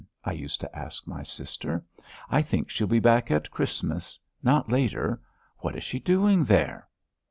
I used to ask my sister. "I think she'll be back at Christmas. Not later. What is she doing there?"